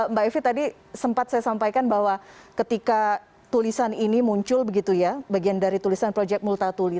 mbak evi tadi sempat saya sampaikan bahwa ketika tulisan ini muncul begitu ya bagian dari tulisan projek multatuli